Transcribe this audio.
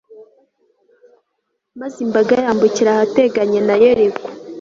maze imbaga yambukira ahateganye na yeriko